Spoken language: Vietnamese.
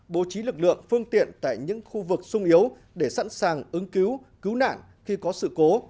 bố trí lực lượng phương tiện tại những khu vực sung yếu để sẵn sàng ứng cứu cứu nạn khi có sự cố